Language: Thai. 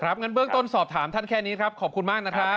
งั้นเบื้องต้นสอบถามท่านแค่นี้ครับขอบคุณมากนะครับ